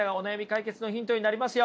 解決のヒントになりますよ。